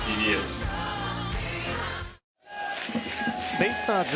ベイスターズ